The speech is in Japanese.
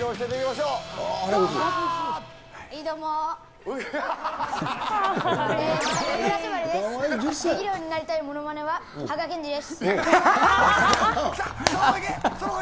できるようになりたいものまねは、羽賀研二です。